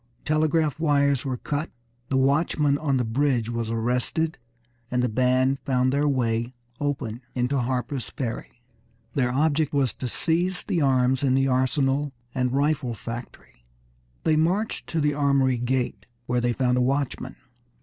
Telegraph wires were cut, the watchman on the bridge was arrested, and the band found their way open into Harper's Ferry. Their object was to seize the arms in the arsenal and rifle factory. They marched to the armory gate, where they found a watchman.